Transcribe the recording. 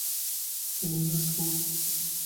তিনি রো-স্কাম বৌদ্ধবিহার স্থাপন করেন।